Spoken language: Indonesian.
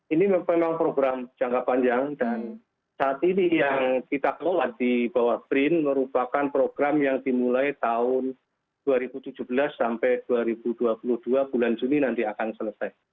ini memang program jangka panjang dan saat ini yang kita kelola di bawah brin merupakan program yang dimulai tahun dua ribu tujuh belas sampai dua ribu dua puluh dua bulan juni nanti akan selesai